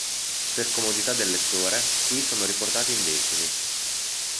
Per comodità del lettore, qui sono riportati in decimi.